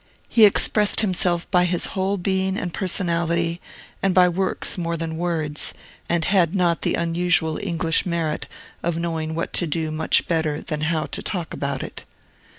He expressed himself by his whole being and personality, and by works more than words, and had the not unusual English merit of knowing what to do much better than how to talk about it.